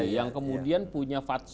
yang kemudian punya fatso